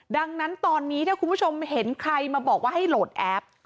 ดังนั้นตอนนี้ถ้าคุณผู้ชมเห็นใครมาบอกว่าให้โหลดแอป